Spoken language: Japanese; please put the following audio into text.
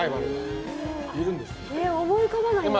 思い浮かばないな。